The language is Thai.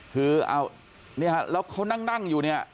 คือเอานี่ฮะแล้วเขานั่งอยู่เนี่ย